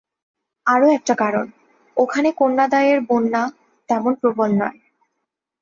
আরো একটা কারণ, ওখানে কন্যাদায়ের বন্যা তেমন প্রবল নয়।